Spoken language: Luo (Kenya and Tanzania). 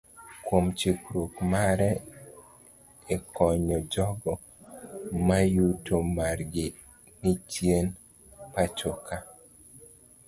Kuom chiwruok mare ekonyo jogoo mayuto margi ni chien pachoka